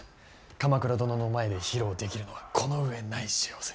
鎌倉殿の前で披露できるのはこの上ない幸せ。